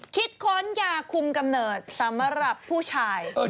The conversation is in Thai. ค้นยาคุมกำเนิดสำหรับผู้ชาย